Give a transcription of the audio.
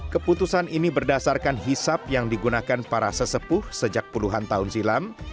keputusan ini berdasarkan hisap yang digunakan para sesepuh sejak puluhan tahun silam